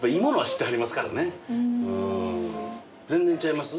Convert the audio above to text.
全然ちゃいます？